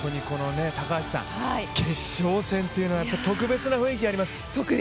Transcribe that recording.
決勝戦というのは特別な雰囲気があります。